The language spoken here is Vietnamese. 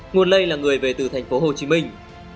nguồn lây là người về từ thành phố hồ chí minh